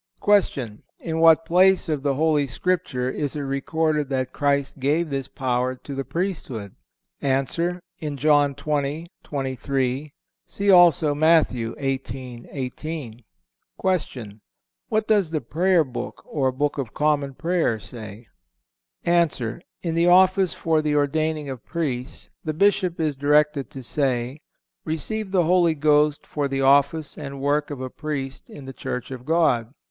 Q. In what place of the Holy Scripture is it recorded that Christ gave this power to the priesthood? A. In John xx. 23; see also Matt. xviii. 18. Q. What does the prayer book (or Book of Common Prayer) say? A. In the office for the ordaining of Priests the Bishop is directed to say, "Receive the Holy Ghost for the office and work of a Priest in the Church of God.